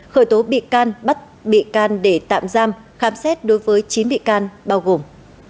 khởi tố bị can bắt bị can để tạm giam khám xét đối với chín bị can bao gồm